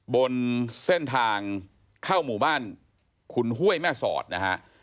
บนเส้นทางเข้าหมู่บ้านขุนห้วยแม่สอดนะฮะ